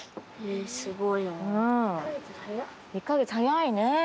１か月早いねえ。